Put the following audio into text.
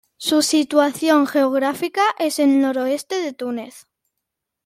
Su situación geográfica es en el noreste de Túnez.